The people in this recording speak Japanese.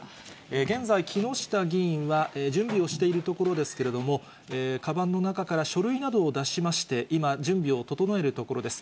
現在、木下議員は準備をしているところですけれども、かばんの中から書類などを出しまして、今、準備を整えるところです。